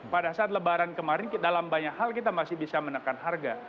pada saat lebaran kemarin dalam banyak hal kita masih bisa menekan harga